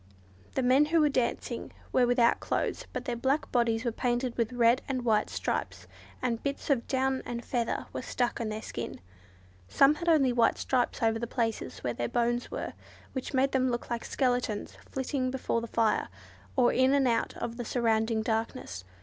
The men who were dancing were without clothes, but their black bodies were painted with red and white stripes, and bits of down and feathers were stuck on their skin. Some had only white stripes over the places where their bones were, which made them look like skeletons flitting before the fire, or in and out of the surrounding darkness.